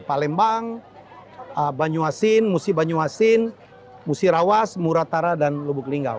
palembang banyuasin musi banyuasin musirawas muratara dan lubuk linggau